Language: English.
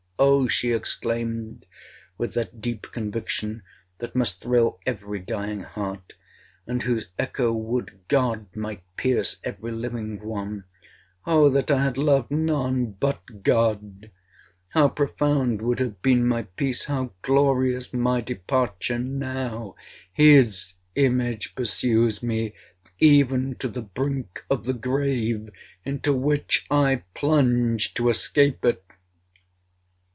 Oh!' she exclaimed, with that deep conviction that must thrill every dying heart, and whose echo (would God) might pierce every living one—'Oh that I had loved none but God—how profound would have been my peace—how glorious my departure—now—his image pursues me even to the brink of the grave, into which I plunge to escape it!'